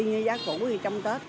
y như giá cũ thì trong tết